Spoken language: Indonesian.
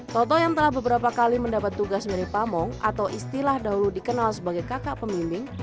toto yang telah beberapa kali mendapat tugas mirip pamong atau istilah dahulu dikenal sebagai kakak pemimpin